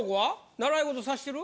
習い事さしてる？